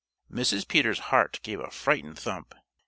Mrs. Peter's heart gave a frightened thump.